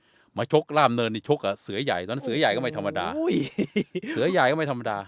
กำลังมาเราชกร่ามเนินนี้จะแขะกับสือย่ายและนั้นสือย่ายก็ไม่ธรรมดา